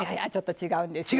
違うんですか？